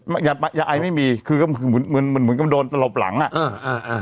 อีกคันนึงยาไอ้ไม่มีคือมันเหมือนกับโดนตลอบหลังอ่ะอ่าอ่า